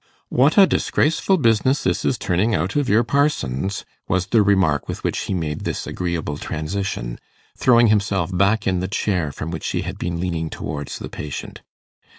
'What a disgraceful business this is turning out of your parson's,' was the remark with which he made this agreeable transition, throwing himself back in the chair from which he had been leaning towards the patient.